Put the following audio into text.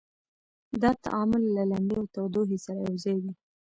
دا تعامل له لمبې او تودوخې سره یو ځای وي.